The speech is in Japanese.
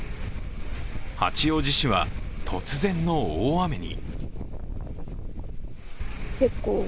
八王子市は突然の大雨に。